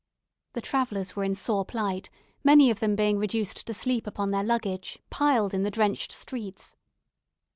The travellers were in sore plight, many of them being reduced to sleep upon their luggage, piled in the drenched streets.